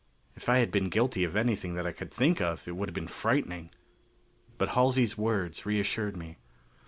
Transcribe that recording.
If I had been guilty of anything that I could think of, it would have been frightening. But Halsey's words reassured me.